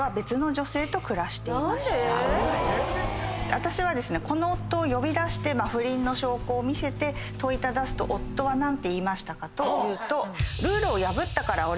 私はこの夫を呼び出して不倫の証拠を見せ問いただすと夫は何て言いましたかというと。